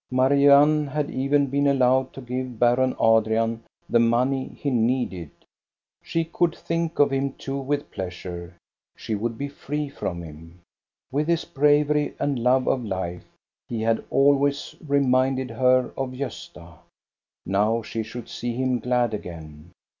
Marianne had even been allowed to give Baron Adrian the money he needed. She could think of him too with pleasure, she would be free from him. With his bravery and love of life he had always reminded her of Gosta ; now she should see him glad again.